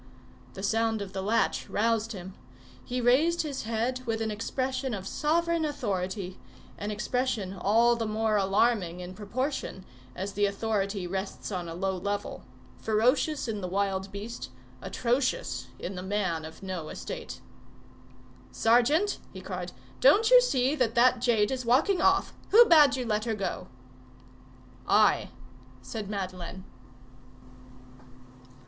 The sound of the latch roused him. He raised his head with an expression of sovereign authority, an expression all the more alarming in proportion as the authority rests on a low level, ferocious in the wild beast, atrocious in the man of no estate. "Sergeant!" he cried, "don't you see that that jade is walking off! Who bade you let her go?" "I," said Madeleine.